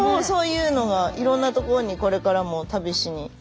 そういうのがいろんな所にこれからも旅しに。